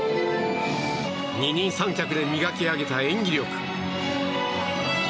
二人三脚で磨き上げた演技力。